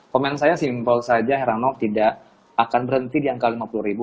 komen saya simpel saja heranov tidak akan berhenti di angka lima puluh ribu